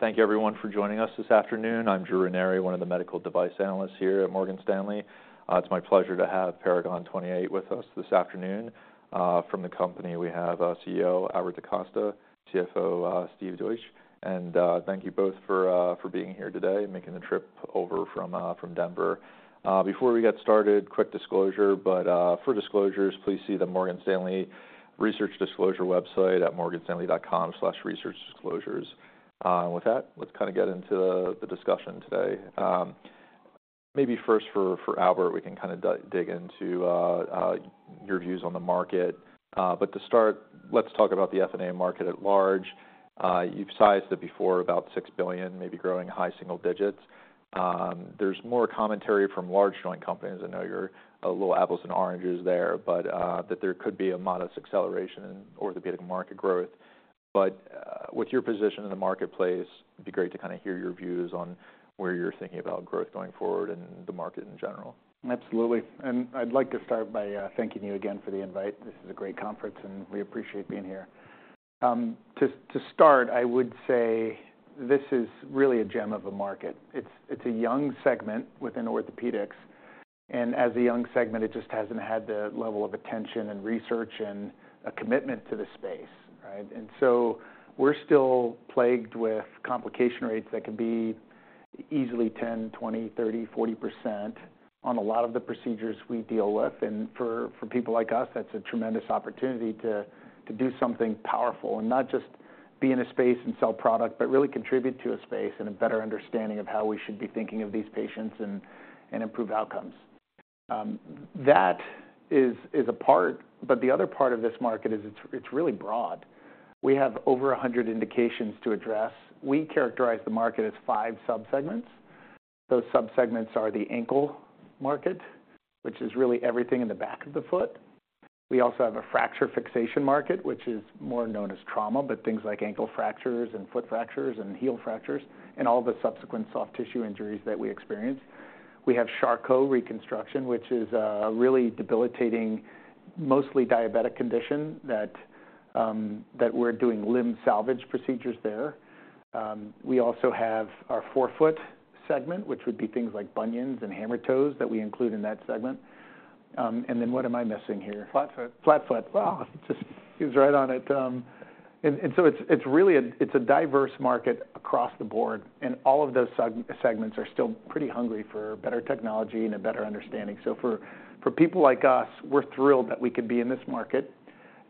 Thank you everyone for joining us this afternoon. I'm Drew Ranieri, one of the medical device analysts here at Morgan Stanley. It's my pleasure to have Paragon 28 with us this afternoon. From the company, we have our CEO, Albert DaCosta, CFO, Steve Deitsch, and thank you both for being here today and making the trip over from Denver. Before we get started, quick disclosure, but for disclosures, please see the Morgan Stanley Research Disclosure website at morganstanley.com/researchdisclosures. With that, let's kind of get into the discussion today. Maybe first for Albert, we can kind of dig into your views on the market. But to start, let's talk about the F&A market at large. You've sized it before, about $6 billion, maybe growing high single digits. There's more commentary from large joint companies. I know you're a little apples and oranges there, but that there could be a modest acceleration in orthopedic market growth. But with your position in the marketplace, it'd be great to kind of hear your views on where you're thinking about growth going forward and the market in general. Absolutely. I'd like to start by thanking you again for the invite. This is a great conference, and we appreciate being here. To start, I would say this is really a gem of a market. It's a young segment within orthopedics, and as a young segment, it just hasn't had the level of attention and research and a commitment to the space, right? And so we're still plagued with complication rates that could be easily 10%, 20%, 30%, and 40% on a lot of the procedures we deal with. For people like us, that's a tremendous opportunity to do something powerful and not just be in a space and sell product, but really contribute to a space and a better understanding of how we should be thinking of these patients and improve outcomes. That is a part, but the other part of this market is it's really broad. We have over 100 indications to address. We characterize the market as five subsegments. Those subsegments are the ankle market, which is really everything in the back of the foot. We also have a fracture fixation market, which is more known as trauma, but things like ankle fractures and foot fractures and heel fractures, and all the subsequent soft tissue injuries that we experience. We have Charcot reconstruction, which is a really debilitating, mostly diabetic condition that we're doing limb salvage procedures there. We also have our forefoot segment, which would be things like bunions and hammer toes that we include in that segment. And then what am I missing here? Flat foot. Flat foot. Wow, just he's right on it. And so it's really a diverse market across the board, and all of those segments are still pretty hungry for better technology and a better understanding. So for people like us, we're thrilled that we could be in this market.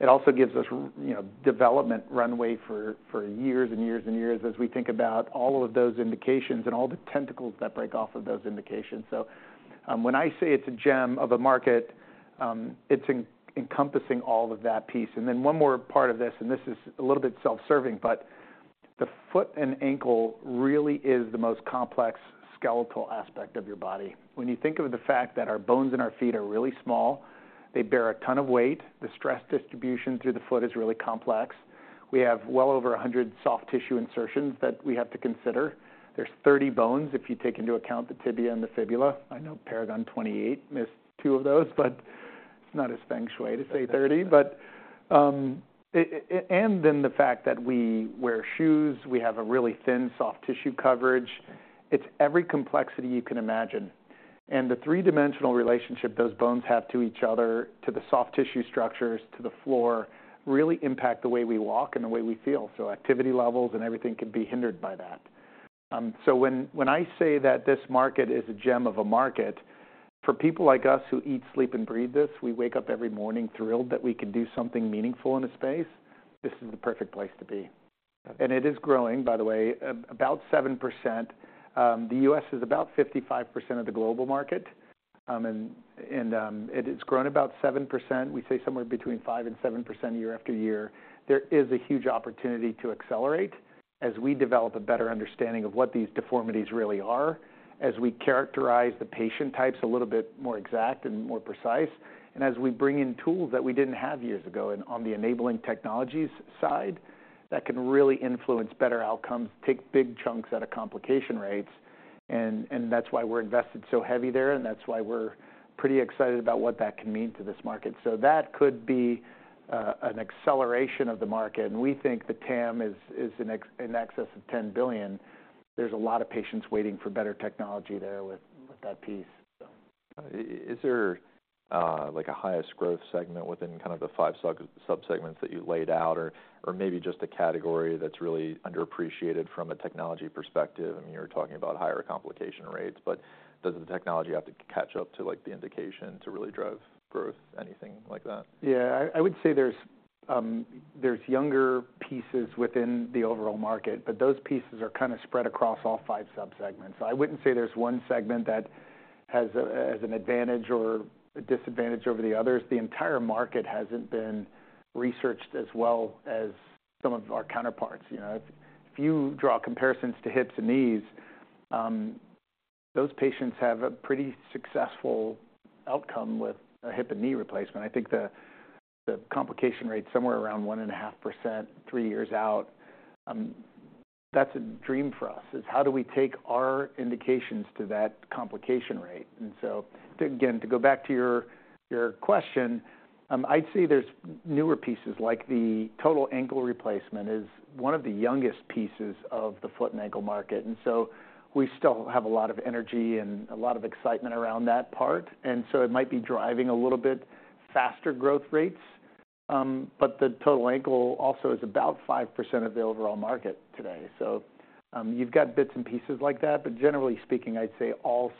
It also gives us, you know, development runway for years and years and years as we think about all of those indications and all the tentacles that break off of those indications. So when I say it's a gem of a market, it's encompassing all of that piece. And then one more part of this, and this is a little bit self-serving, but the foot and ankle really is the most complex skeletal aspect of your body. When you think of the fact that our bones in our feet are really small, they bear a ton of weight. The stress distribution through the foot is really complex. We have well over 100 soft tissue insertions that we have to consider. There's 30 bones if you take into account the tibia and the fibula. I know Paragon 28 missed two of those, but it's not as feng shui to say 30. But, and then the fact that we wear shoes, we have a really thin, soft tissue coverage. It's every complexity you can imagine. And the three-dimensional relationship those bones have to each other, to the soft tissue structures, to the floor, really impact the way we walk and the way we feel. So activity levels and everything can be hindered by that. So when, when I say that this market is a gem of a market, for people like us who eat, sleep, and breathe this, we wake up every morning thrilled that we can do something meaningful in a space. This is the perfect place to be. And it is growing, by the way, about 7%. The U.S. is about 55% of the global market. And, and, it's grown about 7%. We say somewhere between 5% and 7% year after year. There is a huge opportunity to accelerate as we develop a better understanding of what these deformities really are, as we characterize the patient types a little bit more exact and more precise, and as we bring in tools that we didn't have years ago. On the enabling technologies side, that can really influence better outcomes, take big chunks out of complication rates, and that's why we're invested so heavy there, and that's why we're pretty excited about what that can mean to this market. So that could be an acceleration of the market, and we think the TAM is in excess of $10 billion. There's a lot of patients waiting for better technology there with that piece. Is there, like, a highest growth segment within kind of the five subsegments that you laid out, or maybe just a category that's really underappreciated from a technology perspective? I mean, you're talking about higher complication rates, but does the technology have to catch up to, like, the indication to really drive growth? Anything like that? Yeah. I would say there's younger pieces within the overall market, but those pieces are kind of spread across all five subsegments. So I wouldn't say there's one segment that has an advantage or a disadvantage over the others. The entire market hasn't been researched as well as some of our counterparts. You know, if you draw comparisons to hips and knees, those patients have a pretty successful outcome with a hip and knee replacement. I think the complication rate is somewhere around 1.5%, three years out. That's a dream for us, is how do we take our indications to that complication rate? And so, again, to go back to your, your question, I'd say there's newer pieces, like the Total Ankle Replacement is one of the youngest pieces of the foot and ankle market, and so we still have a lot of energy and a lot of excitement around that part. And so it might be driving a little bit faster growth rates. But the Total Ankle Replacement also is about 5% of the overall market today. So, you've got bits and pieces like that, but generally speaking, I'd say all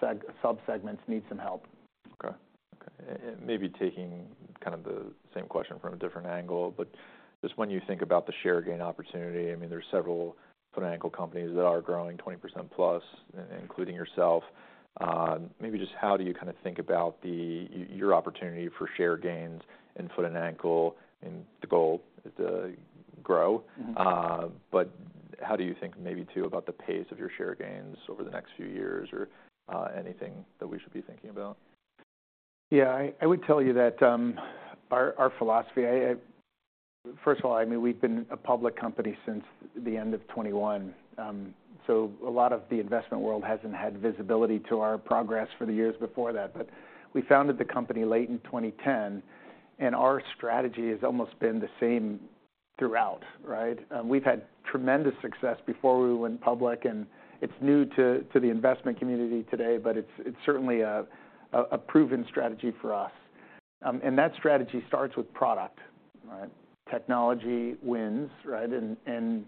subsegments need some help. Okay. Okay, and maybe taking kind of the same question from a different angle, but just when you think about the share gain opportunity, I mean, there are several foot and ankle companies that are growing 20%+, including yourself. Maybe just how do you kind of think about your opportunity for share gains in foot and ankle, and the goal is to grow? Mm-hmm. But how do you think maybe, too, about the pace of your share gains over the next few years or anything that we should be thinking about? Yeah, I would tell you that, our philosophy, first of all, I mean, we've been a public company since the end of 2021, so a lot of the investment world hasn't had visibility to our progress for the years before that. But we founded the company late in 2010, and our strategy has almost been the same throughout, right? We've had tremendous success before we went public, and it's new to the investment community today, but it's certainly a proven strategy for us. And that strategy starts with product, right? Technology wins, right? And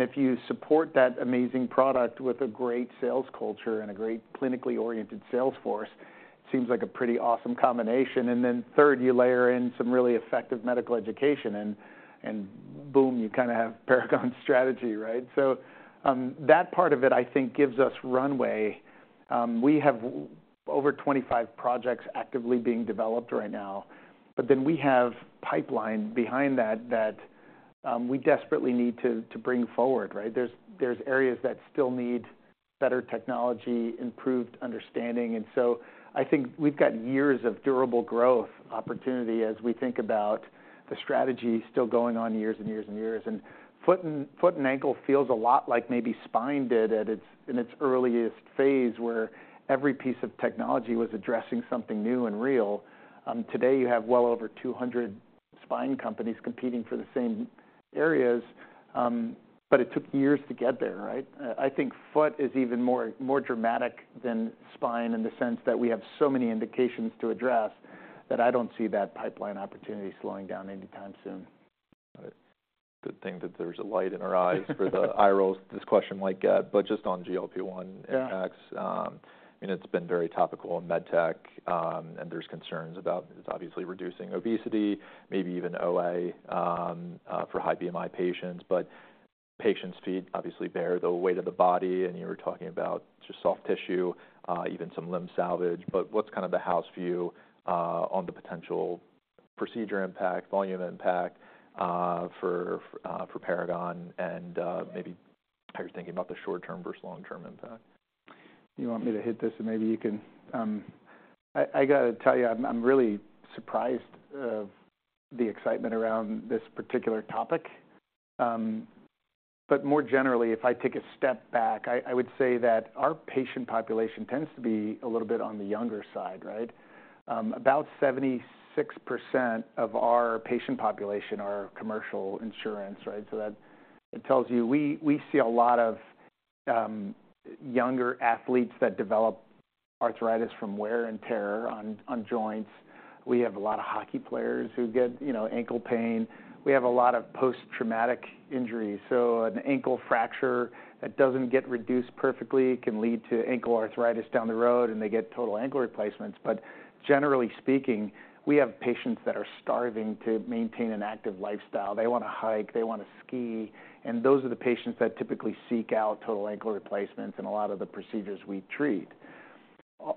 if you support that amazing product with a great sales culture and a great clinically oriented sales force, it seems like a pretty awesome combination. And then third, you layer in some really effective medical education and boom, you kind of have Paragon's strategy, right? So, that part of it, I think, gives us runway. We have over 25 projects actively being developed right now, but then we have pipeline behind that that we desperately need to bring forward, right? There are areas that still need better technology, improved understanding. So I think we've got years of durable growth opportunity as we think about the strategy still going on years and years and years. Foot and ankle feels a lot like maybe spine did at its in its earliest phase, where every piece of technology was addressing something new and real. Today, you have well over 200 spine companies competing for the same areas, but it took years to get there, right? I think foot is even more dramatic than spine in the sense that we have so many indications to address, that I don't see that pipeline opportunity slowing down anytime soon. Got it. Good thing that there's a light in our eye for the eye rolls this question might get, but just on GLP-1 impacts. Yeah. And it's been very topical in med tech, and there's concerns about it's obviously reducing obesity, maybe even OA, for high BMI patients. But patients' feet obviously bear the weight of the body, and you were talking about just soft tissue, even some limb salvage. But what's kind of the house view, on the potential procedure impact, volume impact, for, for Paragon? And, maybe how you're thinking about the short-term versus long-term impact. You want me to hit this, and maybe you can. I got to tell you, I'm really surprised of the excitement around this particular topic. But more generally, if I take a step back, I would say that our patient population tends to be a little bit on the younger side, right? About 76% of our patient population are commercial insurance, right? So that, it tells you we see a lot of younger athletes that develop arthritis from wear and tear on joints. We have a lot of hockey players who get, you know, ankle pain. We have a lot of post-traumatic injuries. So an ankle fracture that doesn't get reduced perfectly can lead to ankle arthritis down the road, and they get total ankle replacements. But generally speaking, we have patients that are starving to maintain an active lifestyle. They want to hike, they want to ski, and those are the patients that typically seek out total ankle replacements in a lot of the procedures we treat.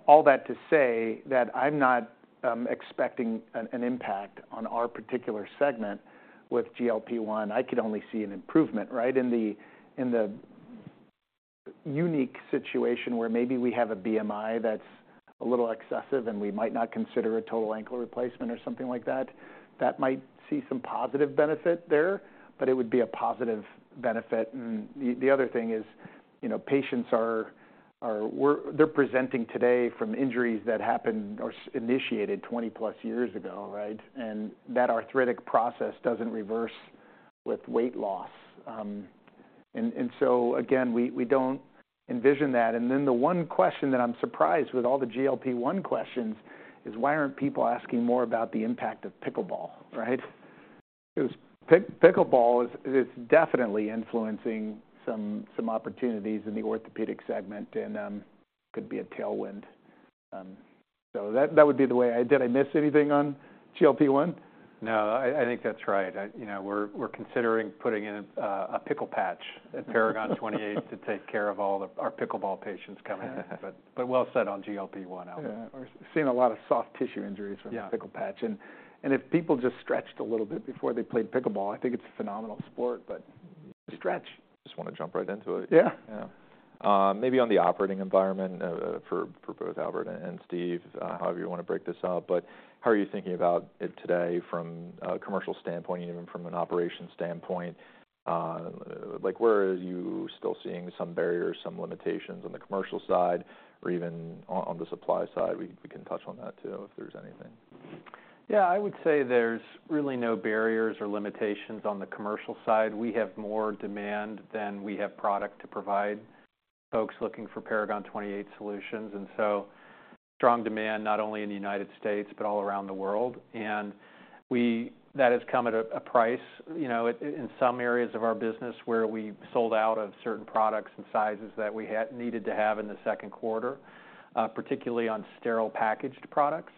All that to say that I'm not expecting an impact on our particular segment with GLP-1. I could only see an improvement, right? In the unique situation where maybe we have a BMI that's a little excessive, and we might not consider a total ankle replacement or something like that. That might see some positive benefit there, but it would be a positive benefit. And the other thing is, you know, patients are presenting today from injuries that happened or initiated 20+ years ago, right? And that arthritic process doesn't reverse with weight loss. And so again, we don't envision that. Then the one question that I'm surprised with all the GLP-1 questions is, why aren't people asking more about the impact of pickleball, right? Because pickleball is definitely influencing some opportunities in the orthopedic segment and could be a tailwind. So that would be the way, did I miss anything on GLP-1? No, I, I think that's right. I, you know, we're considering putting in a pickle patch at Paragon 28 to take care of all of our pickleball patients coming in. But well said on GLP-1, Albert. Yeah. We're seeing a lot of soft tissue injuries- Yeah -from the pickle patch. And if people just stretched a little bit before they played pickleball, I think it's a phenomenal sport, but stretch. Just want to jump right into it. Yeah. Yeah, maybe on the operating environment for both Albert and Steve, however you want to break this up. But how are you thinking about it today from a commercial standpoint and even from an operations standpoint? Like, where are you still seeing some barriers, some limitations on the commercial side, or even on the supply side? We can touch on that, too, if there's anything. Yeah, I would say there's really no barriers or limitations on the commercial side. We have more demand than we have product to provide, folks looking for Paragon 28 solutions, and so strong demand, not only in the United States, but all around the world. And that has come at a price, you know, in some areas of our business where we sold out of certain products and sizes that we had needed to have in the second quarter, particularly on sterile packaged products.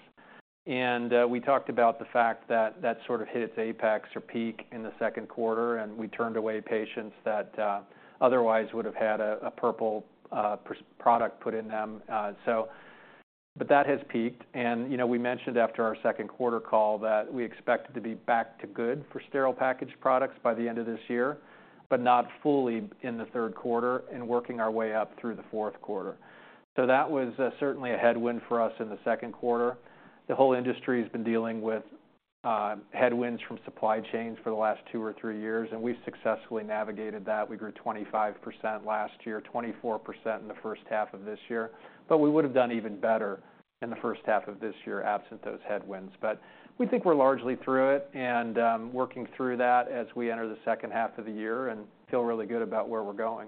And we talked about the fact that that sort of hit its apex or peak in the second quarter, and we turned away patients that otherwise would have had a purple product put in them. So, but that has peaked. You know, we mentioned after our second quarter call that we expected to be back to good for sterile packaged products by the end of this year, but not fully in the third quarter and working our way up through the fourth quarter. So that was certainly a headwind for us in the second quarter. The whole industry has been dealing with headwinds from supply chains for the last two or three years, and we've successfully navigated that. We grew 25% last year, 24% in the first half of this year, but we would have done even better in the first half of this year absent those headwinds. But we think we're largely through it and working through that as we enter the second half of the year and feel really good about where we're going.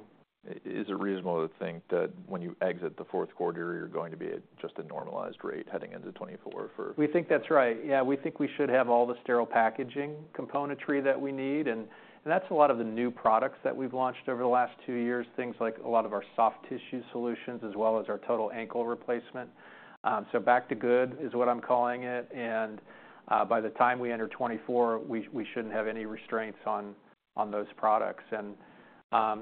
Is it reasonable to think that when you exit the fourth quarter, you're going to be at just a normalized rate heading into 2024 for- We think that's right. Yeah, we think we should have all the sterile packaging componentry that we need, and that's a lot of the new products that we've launched over the last two years, things like a lot of our soft tissue solutions as well as our Total Ankle Replacement. So back to good is what I'm calling it, and by the time we enter 2024, we shouldn't have any restraints on those products. And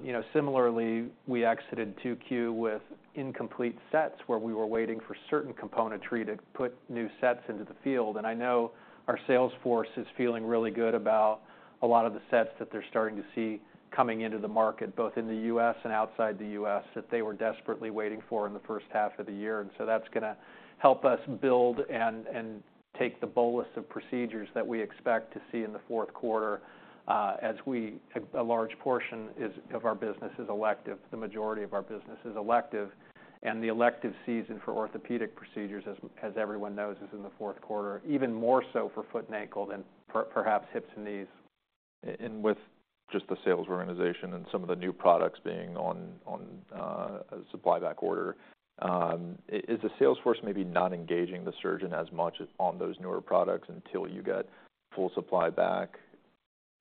you know, similarly, we exited 2Q with incomplete sets where we were waiting for certain componentry to put new sets into the field. And I know our sales force is feeling really good about a lot of the sets that they're starting to see coming into the market, both in the U.S. and outside the U.S., that they were desperately waiting for in the first half of the year. And so that's going to help us build and take the bolus of procedures that we expect to see in the fourth quarter. A large portion of our business is elective. The majority of our business is elective, and the elective season for orthopedic procedures, as everyone knows, is in the fourth quarter, even more so for foot and ankle than perhaps hips and knees. And with just the sales organization and some of the new products being on a supply back order, is the sales force maybe not engaging the surgeon as much as on those newer products until you get full supply back?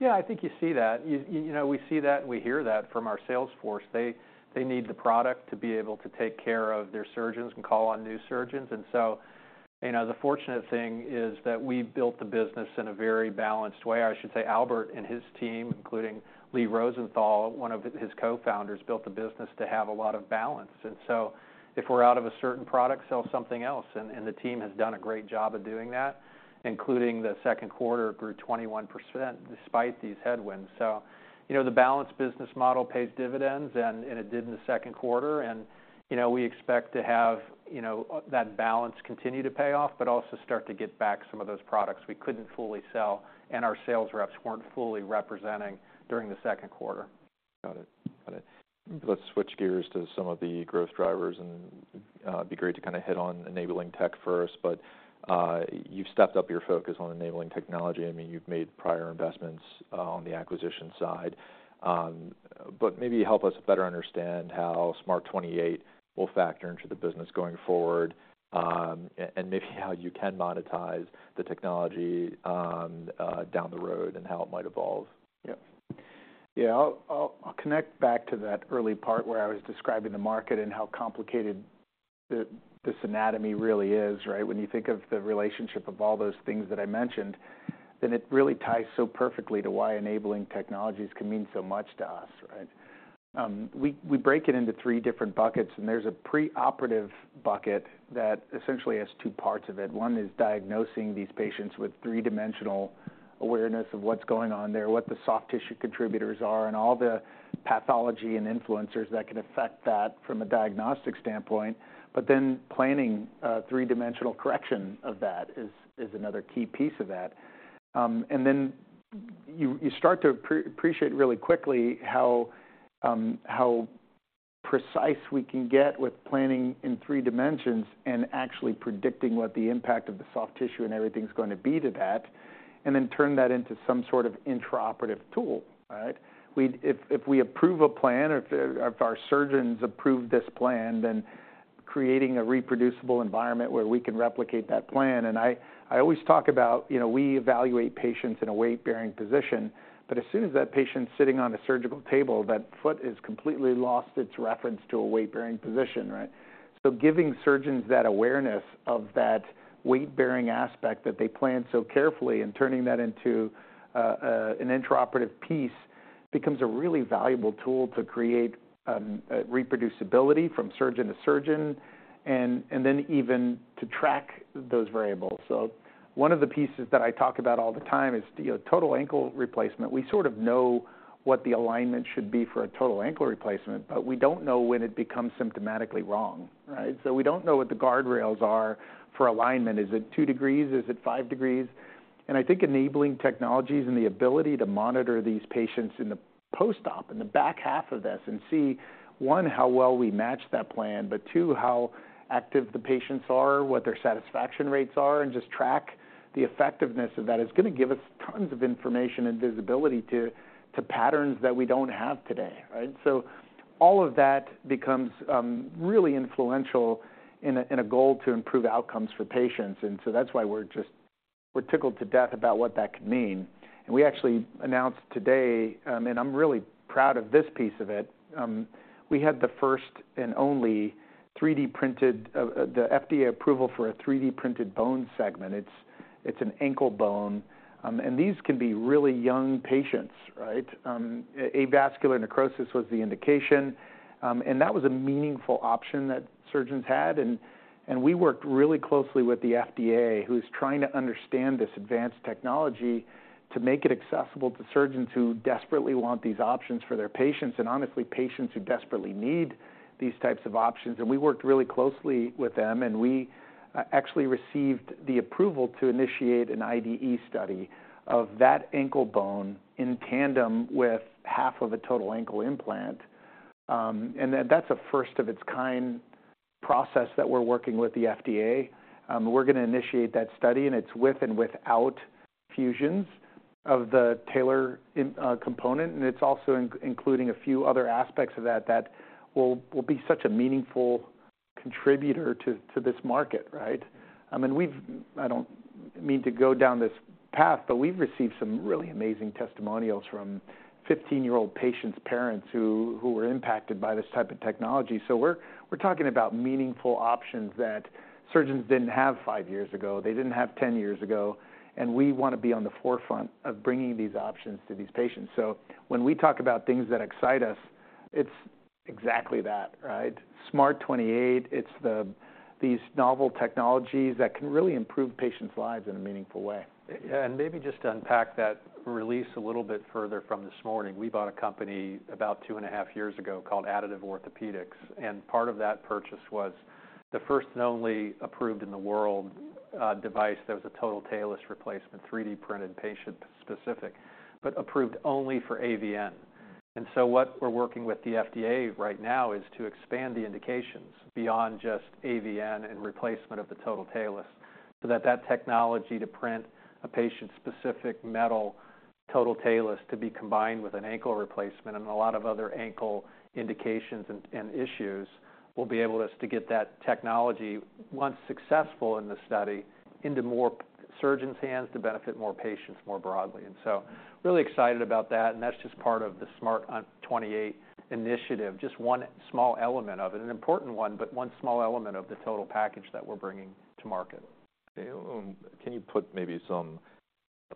Yeah, I think you see that. You, you know, we see that, and we hear that from our sales force. They, they need the product to be able to take care of their surgeons and call on new surgeons. And so, you know, the fortunate thing is that we built the business in a very balanced way. I should say, Albert and his team, including Lee Rosenthal, one of his cofounders, built the business to have a lot of balance. And so if we're out of a certain product, sell something else, and, and the team has done a great job of doing that, including the second quarter, grew 21% despite these headwinds. So, you know, the balance business model pays dividends, and, and it did in the second quarter. You know, we expect to have, you know, that balance continue to pay off, but also start to get back some of those products we couldn't fully sell and our sales reps weren't fully representing during the second quarter. Got it. Got it. Let's switch gears to some of the growth drivers, and, it'd be great to kind of hit on enabling tech first, but, you've stepped up your focus on enabling technology. I mean, you've made prior investments, on the acquisition side. But maybe help us better understand how SMART28 will factor into the business going forward, and maybe how you can monetize the technology, down the road and how it might evolve. Yep. Yeah, I'll connect back to that early part where I was describing the market and how complicated this anatomy really is, right? When you think of the relationship of all those things that I mentioned, then it really ties so perfectly to why enabling technologies can mean so much to us, right? We break it into three different buckets, and there's a preoperative bucket that essentially has two parts of it. One is diagnosing these patients with three-dimensional awareness of what's going on there, what the soft tissue contributors are, and all the pathology and influencers that can affect that from a diagnostic standpoint. But then planning three-dimensional correction of that is another key piece of that. And then you start to appreciate really quickly how precise we can get with planning in three dimensions and actually predicting what the impact of the soft tissue and everything is going to be to that, and then turn that into some sort of intraoperative tool, right? If we approve a plan or if our surgeons approve this plan, then creating a reproducible environment where we can replicate that plan. And I always talk about, you know, we evaluate patients in a weight-bearing position, but as soon as that patient's sitting on a surgical table, that foot has completely lost its reference to a weight-bearing position, right? So giving surgeons that awareness of that weight-bearing aspect that they plan so carefully and turning that into an intraoperative piece becomes a really valuable tool to create, a reproducibility from surgeon to surgeon, and, and then even to track those variables. So one of the pieces that I talk about all the time is, you know, total ankle replacement. We sort of know what the alignment should be for a total ankle replacement, but we don't know when it becomes symptomatically wrong, right? So we don't know what the guardrails are for alignment. Is it two degrees? Is it five degrees? And I think enabling technologies and the ability to monitor these patients in the post-op, in the back half of this, and see, one, how well we match that plan, but two, how active the patients are, what their satisfaction rates are, and just track the effectiveness of that, is going to give us tons of information and visibility to, to patterns that we don't have today, right? So all of that becomes, really influential in a, in a goal to improve outcomes for patients, and so that's why we're just-- we're tickled to death about what that could mean. We actually announced today, and I'm really proud of this piece of it. We had the first and only 3D printed, the FDA approval for a 3D printed bone segment. It's, it's an ankle bone, and these can be really young patients, right? Avascular necrosis was the indication, and that was a meaningful option that surgeons had. And we worked really closely with the FDA, who's trying to understand this advanced technology, to make it accessible to surgeons who desperately want these options for their patients, and honestly, patients who desperately need these types of options. We worked really closely with them, and we actually received the approval to initiate an IDE study of that ankle bone in tandem with half of a total ankle implant. And that's a first of its kind process that we're working with the FDA. We're going to initiate that study, and it's with and without fusions of the talus component, and it's also including a few other aspects of that, that will be such a meaningful contributor to this market, right? I mean, we've I don't mean to go down this path, but we've received some really amazing testimonials from 15-year-old patients' parents who were impacted by this type of technology. So we're talking about meaningful options that surgeons didn't have five years ago. They didn't have ten years ago, and we want to be on the forefront of bringing these options to these patients. So when we talk about things that excite us, it's exactly that, right? SMART28, it's these novel technologies that can really improve patients' lives in a meaningful way. And maybe just to unpack that release a little bit further from this morning. We bought a company about 2.5 years ago called Additive Orthopaedics, and part of that purchase was the first and only approved in the world, device that was a total talus replacement, 3D printed, patient-specific, but approved only for AVN. And so what we're working with the FDA right now is to expand the indications beyond just AVN and replacement of the total talus, so that that technology to print a patient-specific metal total talus to be combined with an ankle replacement and a lot of other ankle indications and issues, will be able us to get that technology, once successful in the study, into more surgeons' hands to benefit more patients more broadly. And so really excited about that, and that's just part of the SMART28 initiative. Just one small element of it, an important one, but one small element of the total package that we're bringing to market. Okay. Can you put maybe some,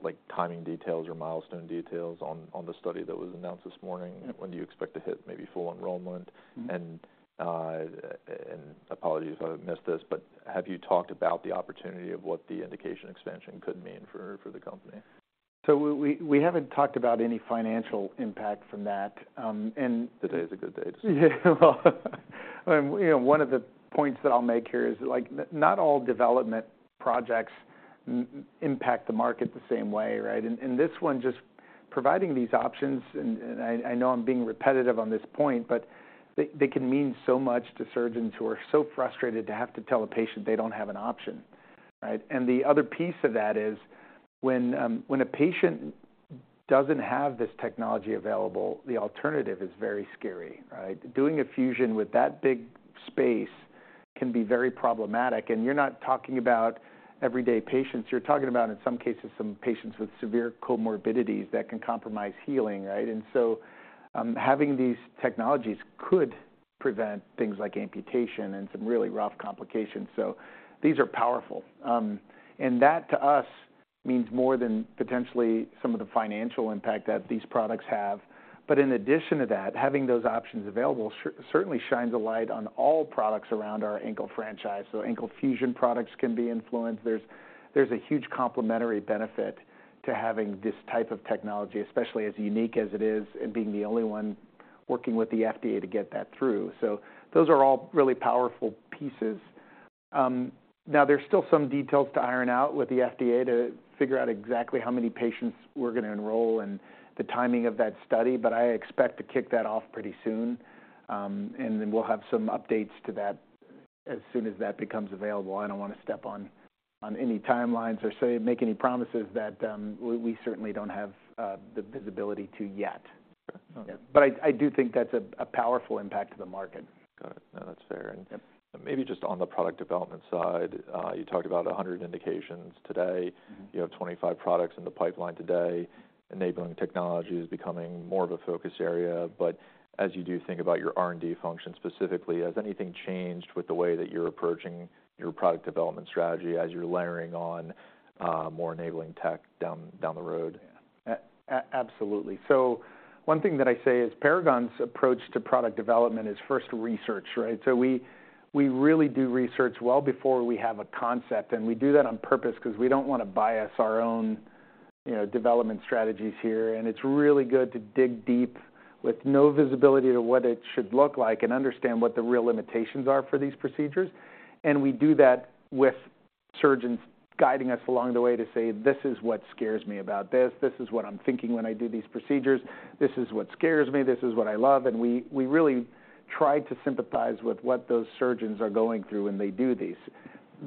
like, timing details or milestone details on the study that was announced this morning? When do you expect to hit maybe full enrollment? Mm-hmm. Apologies if I missed this, but have you talked about the opportunity of what the indication expansion could mean for the company? So we haven't talked about any financial impact from that, and- Today is a good day to see. Yeah, well, you know, one of the points that I'll make here is, like, not all development projects impact the market the same way, right? And this one, just providing these options, and I know I'm being repetitive on this point, but they can mean so much to surgeons who are so frustrated to have to tell a patient they don't have an option, right? And the other piece of that is, when a patient doesn't have this technology available, the alternative is very scary, right? Doing a fusion with that big space can be very problematic, and you're not talking about everyday patients. You're talking about, in some cases, some patients with severe comorbidities that can compromise healing, right? And so, having these technologies could prevent things like amputation and some really rough complications. So these are powerful. And that, to us, means more than potentially some of the financial impact that these products have. But in addition to that, having those options available certainly shines a light on all products around our ankle franchise. So ankle fusion products can be influenced. There's a huge complementary benefit to having this type of technology, especially as unique as it is, and being the only one working with the FDA to get that through. So those are all really powerful pieces. Now, there's still some details to iron out with the FDA to figure out exactly how many patients we're going to enroll and the timing of that study, but I expect to kick that off pretty soon. And then we'll have some updates to that as soon as that becomes available. I don't want to step on any timelines or make any promises that we certainly don't have the visibility to yet. Okay. But I do think that's a powerful impact to the market. Got it. No, that's fair. Yep. Maybe just on the product development side, you talked about 100 indications today. Mm-hmm. You have 25 products in the pipeline today. Enabling technology is becoming more of a focus area. But as you do think about your R&D function specifically, has anything changed with the way that you're approaching your product development strategy as you're layering on more enabling tech down the road? Absolutely. So one thing that I say is Paragon's approach to product development is first research, right? So we really do research well before we have a concept, and we do that on purpose because we don't want to bias our own, you know, development strategies here, and it's really good to dig deep with no visibility to what it should look like and understand what the real limitations are for these procedures. And we do that with surgeons guiding us along the way to say, "This is what scares me about this. This is what I'm thinking when I do these procedures. This is what scares me, this is what I love." And we really try to sympathize with what those surgeons are going through when they do these.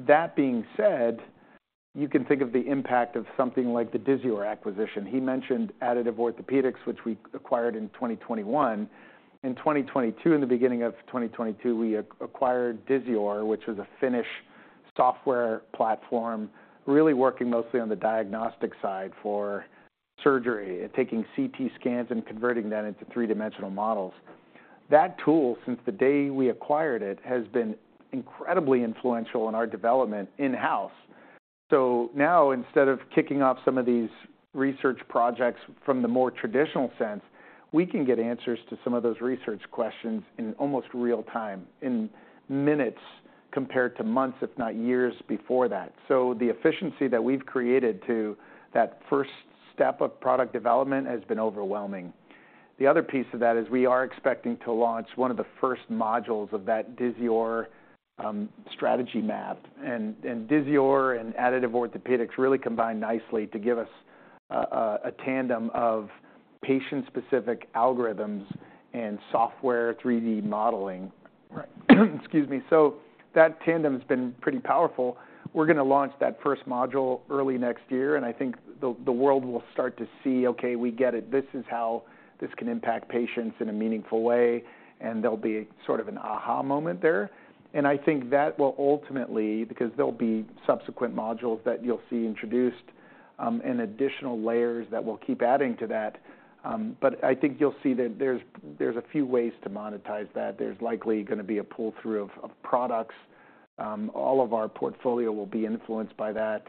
That being said, you can think of the impact of something like the Disior acquisition. He mentioned Additive Orthopaedics, which we acquired in 2021. In 2022, in the beginning of 2022, we acquired Disior, which was a Finnish software platform, really working mostly on the diagnostic side for surgery and taking CT scans and converting that into three-dimensional models. That tool, since the day we acquired it, has been incredibly influential in our development in-house. So now, instead of kicking off some of these research projects from the more traditional sense, we can get answers to some of those research questions in almost real time, in minutes, compared to months, if not years before that. So the efficiency that we've created to that first step of product development has been overwhelming. The other piece of that is we are expecting to launch one of the first modules of that Disior strategy map. Disior and Additive Orthopaedics really combine nicely to give us a tandem of patient-specific algorithms and software, 3D modeling. Excuse me. So that tandem has been pretty powerful. We're gonna launch that first module early next year, and I think the world will start to see, okay, we get it. This is how this can impact patients in a meaningful way, and there'll be sort of an aha moment there. And I think that will ultimately, because there'll be subsequent modules that you'll see introduced, and additional layers that we'll keep adding to that. But I think you'll see that there's a few ways to monetize that. There's likely gonna be a pull-through of products. All of our portfolio will be influenced by that.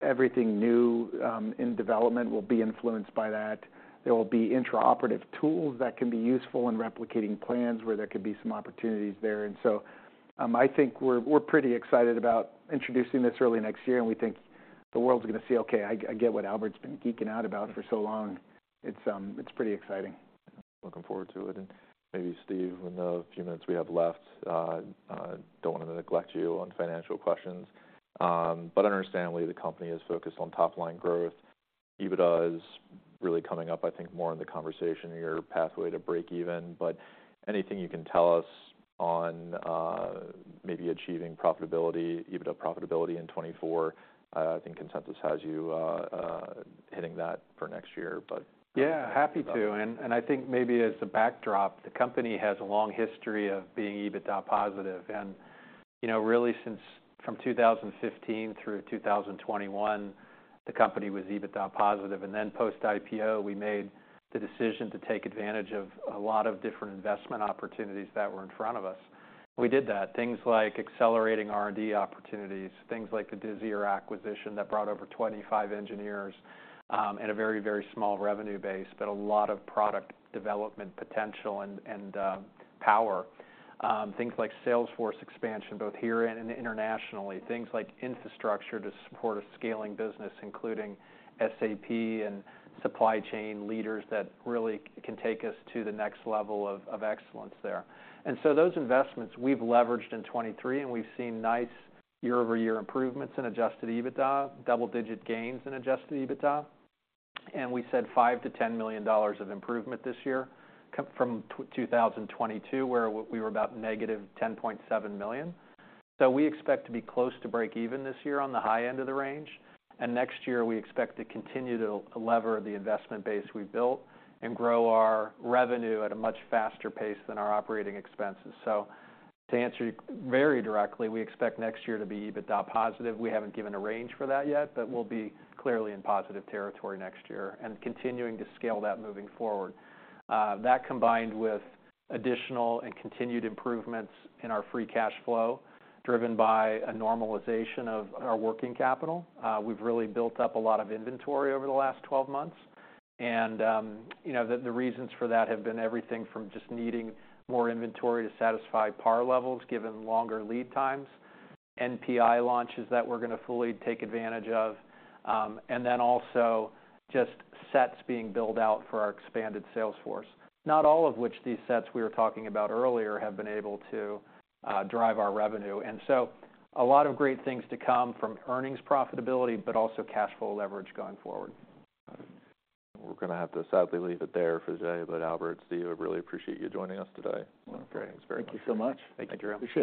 Everything new in development will be influenced by that. There will be intraoperative tools that can be useful in replicating plans where there could be some opportunities there. And so, I think we're pretty excited about introducing this early next year, and we think the world's gonna see, okay, I get what Albert's been geeking out about for so long. It's pretty exciting. Looking forward to it. And maybe Steve, in the few minutes we have left, don't wanna neglect you on financial questions, but understandably, the company is focused on top-line growth. EBITDA is really coming up, I think, more in the conversation in your pathway to break even, but anything you can tell us on, maybe achieving profitability, EBITDA profitability in 2024? I think consensus has you, hitting that for next year, but- Yeah, happy to. And I think maybe as a backdrop, the company has a long history of being EBITDA positive. And, you know, really since from 2015 through 2021, the company was EBITDA positive, and then post-IPO, we made the decision to take advantage of a lot of different investment opportunities that were in front of us. We did that. Things like accelerating R&D opportunities, things like the Disior acquisition that brought over 25 engineers, and a very, very small revenue base, but a lot of product development potential and power. Things like sales force expansion, both here and internationally. Things like infrastructure to support a scaling business, including SAP and supply chain leaders that really can take us to the next level of excellence there. Those investments we've leveraged in 2023, and we've seen nice year-over-year improvements in adjusted EBITDA, double-digit gains in adjusted EBITDA. We said $5-$10 million of improvement this year from 2022, where we were about negative $10.7 million. We expect to be close to break even this year on the high end of the range, and next year we expect to continue to lever the investment base we've built and grow our revenue at a much faster pace than our operating expenses. To answer you very directly, we expect next year to be EBITDA positive. We haven't given a range for that yet, but we'll be clearly in positive territory next year and continuing to scale that moving forward. That combined with additional and continued improvements in our free cash flow, driven by a normalization of our working capital. We've really built up a lot of inventory over the last 12 months, and, you know, the reasons for that have been everything from just needing more inventory to satisfy par levels, given longer lead times, NPI launches that we're gonna fully take advantage of, and then also just sets being built out for our expanded sales force. Not all of which these sets we were talking about earlier have been able to drive our revenue. So, a lot of great things to come from earnings profitability, but also cash flow leverage going forward. We're gonna have to sadly leave it there for today. Albert, Steve, I really appreciate you joining us today. Okay. Thanks very much. Thank you so much. Thank you. Appreciate it.